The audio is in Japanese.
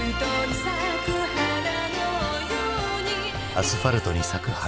「アスファルトに咲く花」